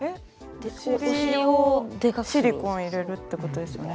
お尻をシリコン入れるってことですよね。